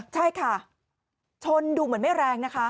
ใช่ค่ะชนดูเหมือนไม่แรงนะคะ